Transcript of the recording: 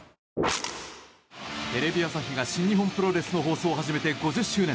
テレビ朝日が新日本プロレスの放送を始めて５０年。